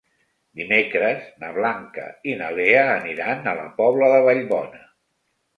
Dimecres na Blanca i na Lea aniran a la Pobla de Vallbona.